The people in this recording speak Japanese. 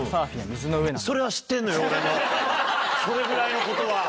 俺もそれぐらいのことは！